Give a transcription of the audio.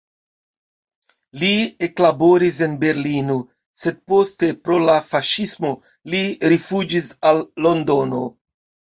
Li eklaboris en Berlino, sed poste pro la faŝismo li rifuĝis al Londono.